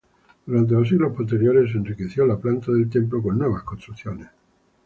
Durante los siglos posteriores, se enriqueció la planta del templo con nuevas construcciones.